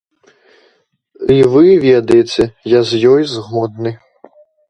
І, вы ведаеце, я з ёй згодны.